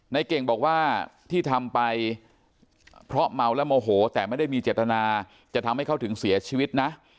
ในเก่งบอกว่าที่ทำไปเพราะเมาและโมโหแต่ไม่ได้มีเจตนาจะทำให้เขาถึงเสียชีวิตนะ